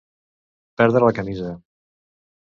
Perdre la camisa.